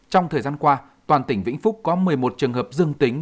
trong thời gian qua toàn tỉnh vĩnh phúc có một mươi một trường hợp dương tính